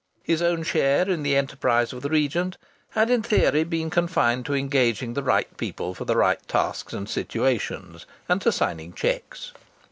His own share in the enterprise of the Regent had in theory been confined to engaging the right people for the right tasks and situations; and to signing cheques.